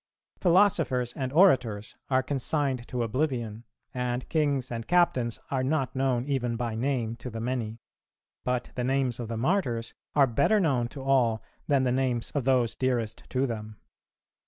.... Philosophers and Orators are consigned to oblivion, and kings and captains are not known even by name to the many; but the names of the Martyrs are better known to all than the names of those dearest to them.